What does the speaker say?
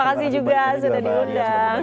terima kasih juga mbak mona